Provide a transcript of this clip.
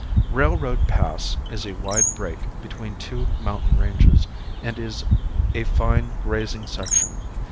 Railroad Pass is a wide break between two mountain ranges and is a fine grazing section.